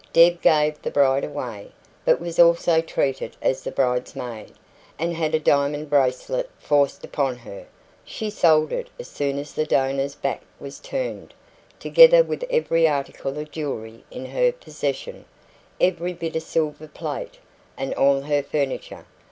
Deb gave the bride away, but was also treated as the bridesmaid, and had a diamond bracelet forced upon her. She sold it as soon as the donor's back was turned, together with every article of jewellery in her possession, every bit of silver plate, and all her furniture.